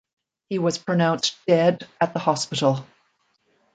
He was pronounced dead at the hospital.